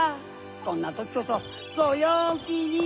こんなときこそごようきに！